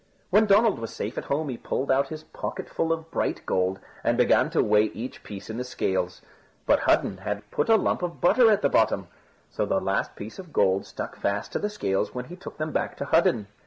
When Donald was safe at home, he pulled out his pocketful of bright gold and began to weigh each piece in the scales. But Hudden had put a lump of butter at the bottom, and so the last piece of gold stuck fast to the scales when he took them back to Hudden.